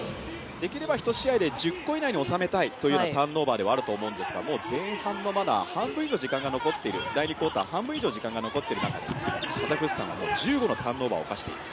できれば１試合で１０個以上に収めたいというターンオーバーだと思うんですがもう前半の第２クオーター、まだ半分以上時間が残っている中でもう１５のターンオーバーを出しています。